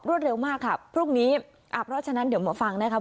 เร็วมากค่ะพรุ่งนี้อ่าเพราะฉะนั้นเดี๋ยวมาฟังนะครับ